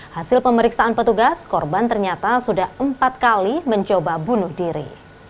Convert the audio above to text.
hasil pemeriksaan petugas korban ternyata sudah empat kali mencoba bunuh diri